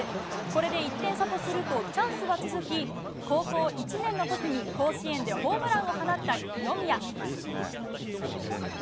これで１点差とすると、チャンスは続き、高校１年のときに甲子園でホームランを放った清宮。